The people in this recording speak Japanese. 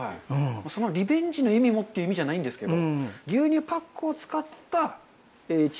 そのリベンジの意味もっていう意味じゃないんですけど。を作りたいと。